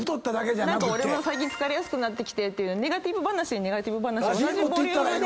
何か俺も最近疲れやすくなってきてっていうネガティブ話にネガティブ話を同じボリュームで返して。